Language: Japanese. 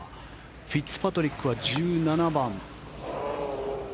フィッツパトリックは１７番。